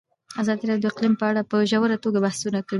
ازادي راډیو د اقلیم په اړه په ژوره توګه بحثونه کړي.